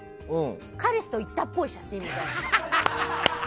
彼氏と行ったっぽい写真みたいな。